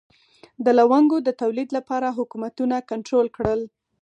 د لونګو د تولید لپاره حکومتونه کنټرول کړل.